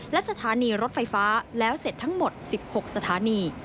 และสถานีรถไฟฟ้าแล้วเสร็จทั้งหมด๑๖สถานี